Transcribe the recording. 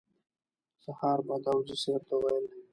سهار به داوودزي صیب ته ویل.